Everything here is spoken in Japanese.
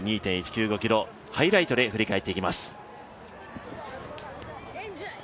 ｋｍをハイライトで振り返っていきます。